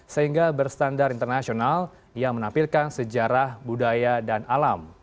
sehingga berstandar internasional yang menampilkan sejarah budaya dan alam